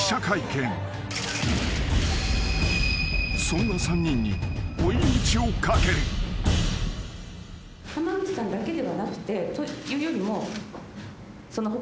［そんな３人に追い打ちをかける］濱口さんだけではなくて。というよりも。